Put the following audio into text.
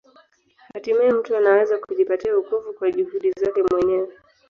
Hatimaye mtu anaweza kujipatia wokovu kwa juhudi zake mwenyewe.